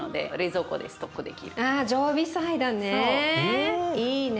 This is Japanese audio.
常備菜だね。